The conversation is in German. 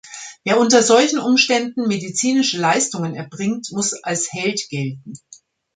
Wer unter solchen Umständen medizinische Leistungen erbringt, muss als Held gelten.